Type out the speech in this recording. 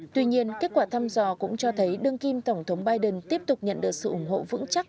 tuy nhiên kết quả thăm dò cũng cho thấy đương kim tổng thống biden tiếp tục nhận được sự ủng hộ vững chắc